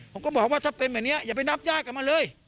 ผมก็บอกว่าถ้าเป็นแบบนี้อย่าไปนับญาติกับมันเลย